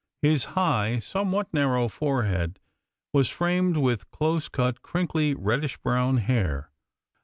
His high, somewhat narrow forehead was framed with close cut, crinkly, reddish brown hair.